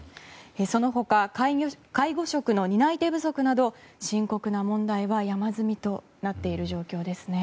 その他、介護職の担い手不足など深刻な問題は山積みとなっている状況ですね。